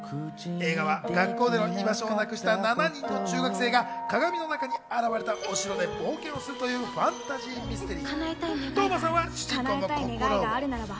映画は学校での居場所をなくした７人の中学生がかがみの中に現れたお城で冒険をするというファンタジー・ミステリー。